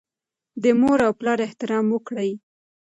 د مور او پلار احترام وکړئ.